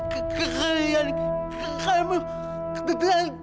kukarikan kamu ke dalam